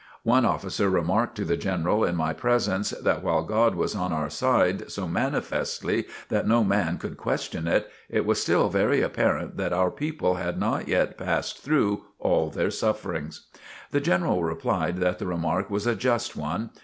One officer remarked to the General in my presence, that while God was on our side so manifestly that no man could question it, it was still very apparent that our people had not yet passed through all their sufferings. The General replied that the remark was a just one.